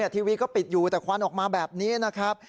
ทีวีก็ปิดอยู่แต่ควันออกมาแบบนี้นะครับ